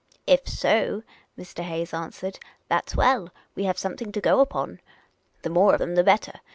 " If so," Mr. Hayes answered, " that 's well ; we have something to go upon. The more of them the better.